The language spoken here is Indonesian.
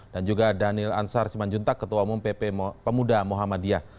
juga daniel ansar simanjuntak ketua umum pp pemuda muhammadiyah